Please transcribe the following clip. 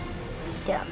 じゃあ。